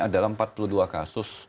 adalah empat puluh dua kasus